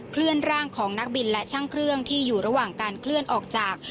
เคลื่อนร่างของนักบินและช่างเครื่องที่อยู่ระหว่างการเคลื่อนออกจาก